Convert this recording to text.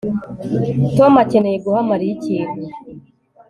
Tom akeneye guha Mariya ikintu